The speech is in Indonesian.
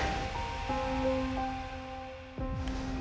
mungkin kamu sedang merasa dia sahabat aku